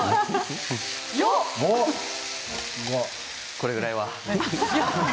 これぐらいは。